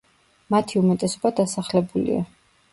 მათი უმეტესობა დასახლებულია.